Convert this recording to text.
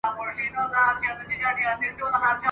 نه پیران یې وه په یاد نه خیراتونه ..